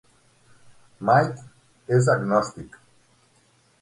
Mike és agnòstic.